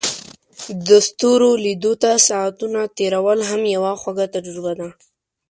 د ستورو لیدو ته ساعتونه تیرول هم یوه خوږه تجربه ده.